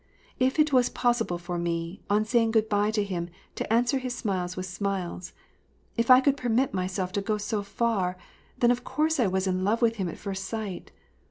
" If it was possible for me, on saying good by to him, to answer his smiles with smiles ; if I could permit myself to go so far, then of course I was in love with him at first sight.